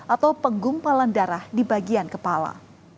atau penggumpalan darah di bagian kepala